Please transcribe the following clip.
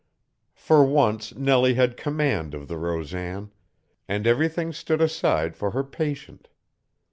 For once Nellie had command of the Rosan, and everything stood aside for her patient.